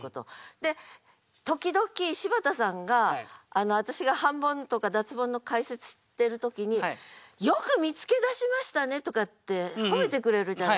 で時々柴田さんが私が半ボンとか脱ボンの解説してる時に「よく見つけ出しましたね！」とかって褒めてくれるじゃない。